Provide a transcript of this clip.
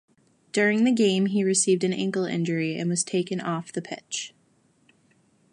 During the game he received an ankle injury and was taken off the pitch.